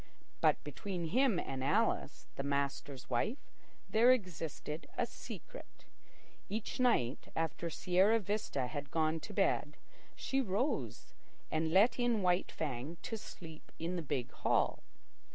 But between him and Alice, the master's wife, there existed a secret. Each night, after Sierra Vista had gone to bed, she rose and let in White Fang to sleep in the big hall.